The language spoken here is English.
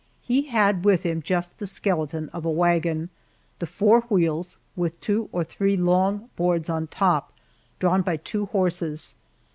He had with him just the skeleton of a wagon the four wheels with two or three long boards on top, drawn by two horses.